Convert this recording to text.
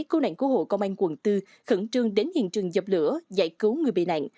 cố nạn cố hộ công an quần tư khẩn trương đến hiện trường dập lửa giải cứu người bị nạn